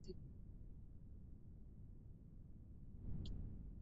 Nanasi inakawaka pa kukomea